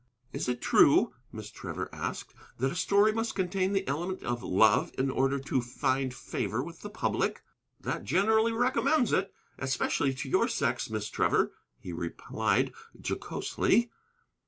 "Is it true," Miss Trevor asked, "that a story must contain the element of love in order to find favor with the public?" "That generally recommends it, especially to your sex, Miss Trevor," he replied jocosely.